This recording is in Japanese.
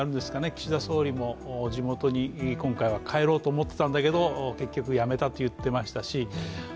岸田総理も地元に今回は帰ろうと思ってたんだけれど結局、やめたと言ってましたし。